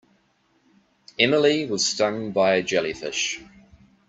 Emily was stung by a jellyfish.